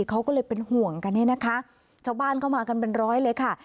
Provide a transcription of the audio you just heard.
เขาก็เลยเป็นห่วงกันเนี่ยนะคะชาวบ้านเข้ามากันเป็นร้อยเลยค่ะ